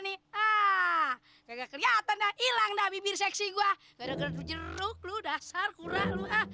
nggak kelihatan dah ilang dah bibir seksi gua gara gara jeruk lu dasar kurak lu ah